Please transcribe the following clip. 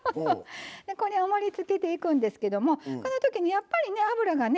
これを盛りつけていくんですけどもこのときにやっぱりね脂がね